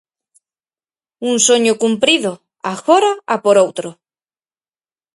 Un soño cumprido, agora a por outro.